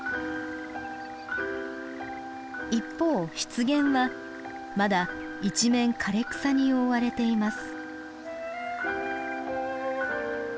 一方湿原はまだ一面枯れ草に覆われています。